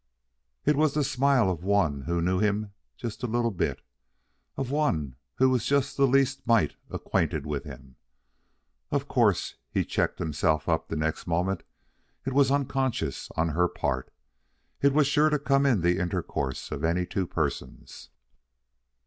It was the smile of one who knew him just a little bit, of one who was just the least mite acquainted with him. Of course, he checked himself up the next moment, it was unconscious on her part. It was sure to come in the intercourse of any two persons.